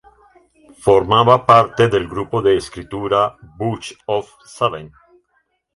Formaba parte del grupo de escritura "Bunch of Seven".